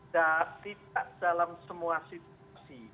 dari dalam semua situasi